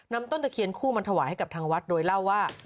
ต้นตะเคียนคู่มาถวายให้กับทางวัดโดยเล่าว่า